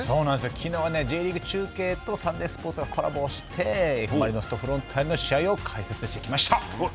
きのうはＪリーグ中継とサンデースポーツがコラボをしてＦ・マリノスとフロンターレの試合を解説してきました。